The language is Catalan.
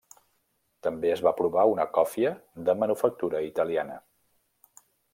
També es va provar una còfia de manufactura italiana.